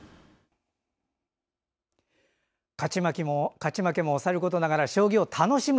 勝ち負けもさることながら将棋を楽しむ。